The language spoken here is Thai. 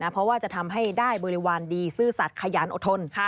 เพราะว่าจะทำให้ได้บริวารดีซื่อสัตว์ขยันอดทน